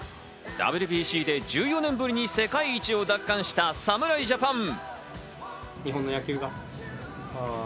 ＷＢＣで１４年ぶりに世界一を奪還した侍ジャパン。